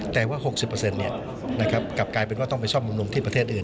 แต่ว่า๖๐กลับกลายเป็นว่าต้องไปซ่อมบำรุงที่ประเทศอื่น